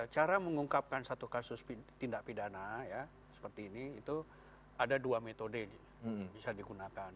cara mengungkapkan satu kasus tindak pidana seperti ini itu ada dua metode bisa digunakan